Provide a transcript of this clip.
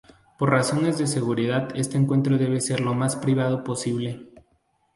Por razones de seguridad este encuentro debe ser lo más privado posible.